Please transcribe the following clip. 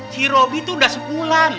si robi tuh udah sebulan